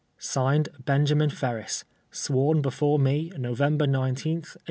(Signed) BENJAMIN FERRIS. Sworn before me, November 19th, 1852.